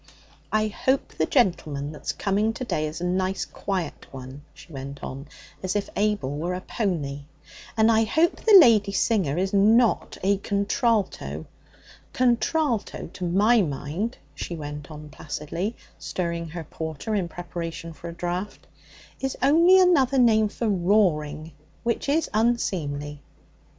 'I hope the gentleman that's coming to day is a nice quiet one,' she went on, as if Abel were a pony. 'And I hope the lady singer is not a contralto. Contralto, to my mind,' she went on placidly, stirring her porter in preparation for a draught, 'is only another name for roaring, which is unseemly.'